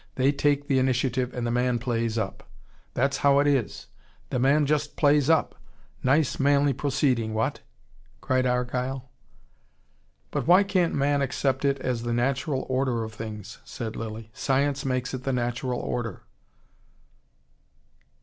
They take the initiative, and the man plays up. That's how it is. The man just plays up. Nice manly proceeding, what!" cried Argyle. "But why can't man accept it as the natural order of things?" said Lilly. "Science makes it the natural order."